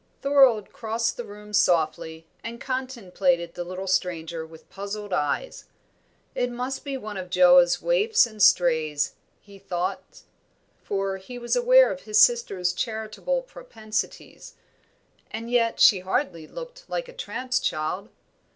Thorold crossed the room softly, and contemplated the little stranger with puzzled eyes. "It must be one of Joa's waifs and strays," he thought for he was aware of his sister's charitable propensities. And yet she hardly looked like a tramp's child.